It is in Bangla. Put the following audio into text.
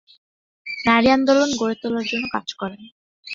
নারী আন্দোলন গড়ে তোলার জন্য কাজ করেন।